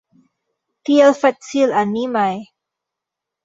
Tiel facilanimaj!